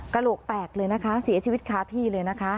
โหลกแตกเลยนะคะเสียชีวิตคาที่เลยนะคะ